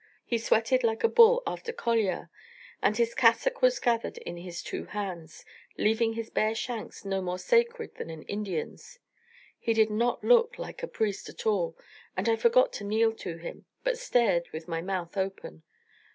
He sweated like a bull after coliar, and his cassock was gathered in his two hands, leaving his bare shanks no more sacred than an Indian's. He did not look like a priest at all, and I forgot to kneel to him, but stared with my mouth open.